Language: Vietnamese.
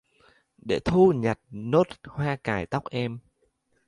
Để Thu nhặt nốt hoa cài tóc em.